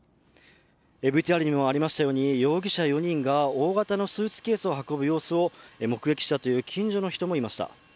ＶＴＲにもありましたように容疑者４人が大型のスーツケースを運ぶ様子を目撃したという近所の人もいました。